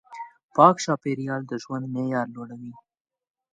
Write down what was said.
پاک چاپېریال د ژوند معیار لوړوي.